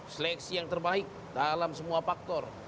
seleksi yang terbaik dalam semua faktor